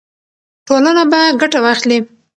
ټولنه به ګټه واخلي.